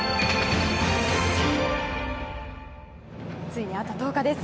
ついにあと１０日です。